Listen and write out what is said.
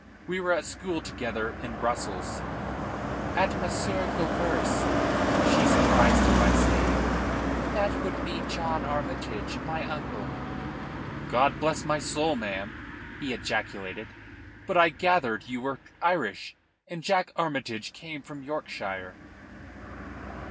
We were at school together in Brussels." "At Monsieur Goubert's," she surprised him by saying. "That would be John Armytage, my uncle." "God bless my soul, ma'am!" he ejaculated. "But I gathered you were Irish, and Jack Armytage came from Yorkshire."